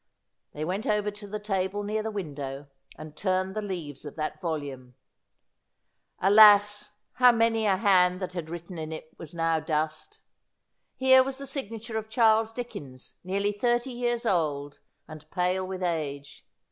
They went over to the table near the window, and turned the leaves of that volume ! Alas ! how many a hand that had written in it was now dust. Here was the signature of Charles Dickens, nearly thirty years old, and pale with age.